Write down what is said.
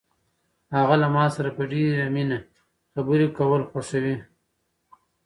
هغه له ما سره په ډېرې مینه خبرې کول خوښوي.